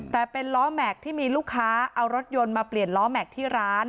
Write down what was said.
แต่เป็นล้อแม็กซ์ที่มีลูกค้าเอารถยนต์มาเปลี่ยนล้อแม็กซ์ที่ร้าน